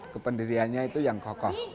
kependiriannya itu yang kokoh